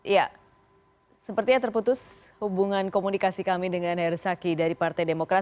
ya sepertinya terputus hubungan komunikasi kami dengan herzaki dari partai demokrat